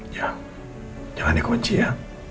ya jangan dikunci ya